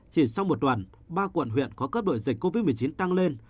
chỉ sau một tuần ba quận huyện có cấp độ dịch covid một mươi chín tăng lên